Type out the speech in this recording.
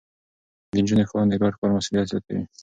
د نجونو ښوونه د ګډ کار مسووليت زياتوي.